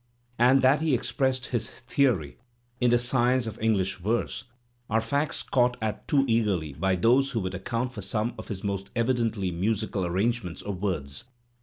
and that he expressed his theory in "The Science of English Verse, " are facts caught at too eagerly by those who would account for some of his most evidently musical arrangements of words.